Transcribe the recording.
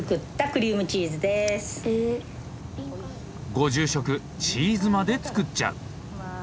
ご住職チーズまで作っちゃう！